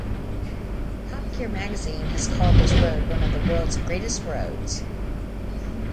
Top Gear Magazine has called this road one of "the world's greatest roads".